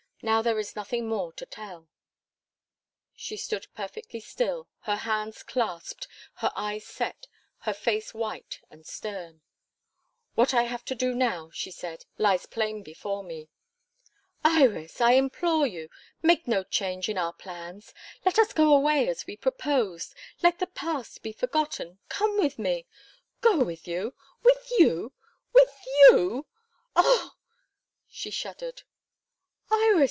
Now there is nothing more to tell." She stood perfectly still her hands clasped, her eyes set, her face white and stern. "What I have to do now," she said, "lies plain before me." "Iris! I implore you, make no change in our plans. Let us go away as we proposed. Let the past be forgotten. Come with me " "Go with you? With you? With you? Oh!" she shuddered. "Iris!